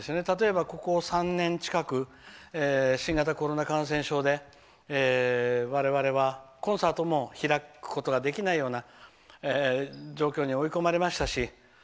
例えば、ここ３年近く新型コロナ感染症で我々はコンサートも開くことができないような状況に追い込まれましたし。